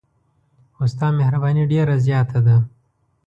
خو ستا مهرباني ډېره زیاته ده.